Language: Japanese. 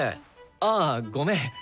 ああごめん。